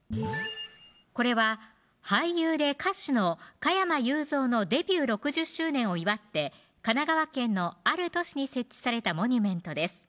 これは俳優で歌手の加山雄三のデビュー６０周年を祝って神奈川県のある都市に設置されたモニュメントです